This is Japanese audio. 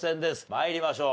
参りましょう。